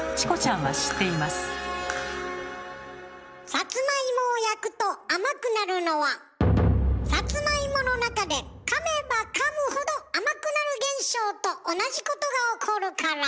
サツマイモを焼くと甘くなるのはサツマイモの中で「かめばかむほど甘くなる現象」と同じことが起こるから。